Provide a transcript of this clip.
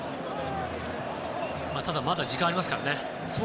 ただ、まだ時間がありますからね。